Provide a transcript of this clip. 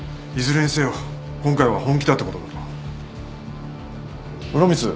いずれにせよ今回は本気だってことだろう。